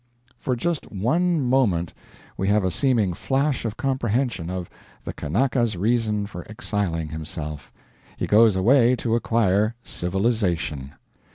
For just one moment we have a seeming flash of comprehension of, the Kanaka's reason for exiling himself: he goes away to acquire civilization.